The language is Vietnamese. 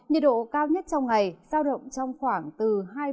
nhiệt độ cao nhất trong ngày giao động trong khoảng từ hai mươi bảy